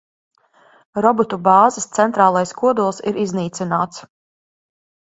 Robotu bāzes centrālais kodols ir iznīcināts.